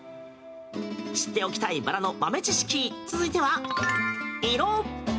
知っておきたいバラの豆知識続いては、色！